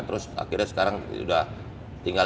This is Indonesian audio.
terus akhirnya sekarang sudah tinggal lima ribu lima ratus